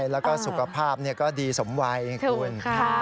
แล้วก็สุขภาพก็ดีสมไวคุณค่ะ